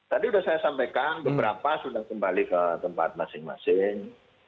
tadi sudah saya sampaikan beberapa sudah kembali ke tempat masing masing